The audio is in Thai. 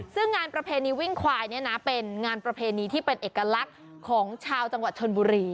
ซึ่งงานประเพณีวิ่งควายเนี่ยนะเป็นงานประเพณีที่เป็นเอกลักษณ์ของชาวจังหวัดชนบุรี